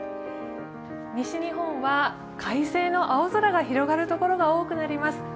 西日本は快晴の青空が広がる所が多くなります。